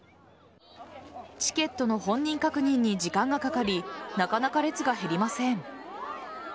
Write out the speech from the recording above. チケットの本人確認に時間がかかりなかなか列が減りません。